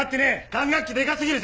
管楽器でかすぎる！